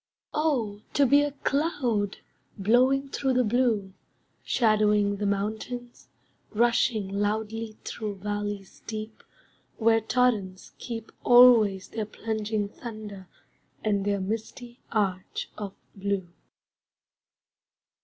Oh! To be a cloud Blowing through the blue, Shadowing the mountains, Rushing loudly through Valleys deep Where torrents keep Always their plunging thunder and their misty arch of blue.